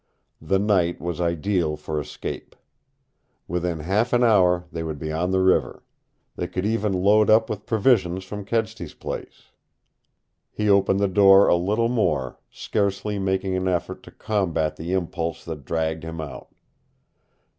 The night was ideal for escape. Within half an hour they would be on the river. They could even load up with provisions from Kedsty's place. He opened the door a little more, scarcely making an effort to combat the impulse that dragged him out.